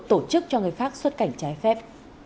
tổ chức cho người khác xuất cảnh trái phép